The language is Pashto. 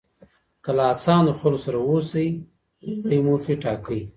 که له هڅاندو خلکو سره اوسئ لوړې موخې ټاکئ.